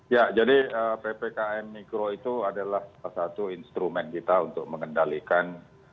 ya jadi ppkm mikro itu adalah salah satu instrumen kita untuk mengendalikan